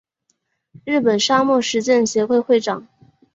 日本沙漠实践协会会长。